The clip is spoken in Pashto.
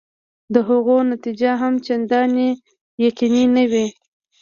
د هغو نتیجه هم چنداني یقیني نه وي.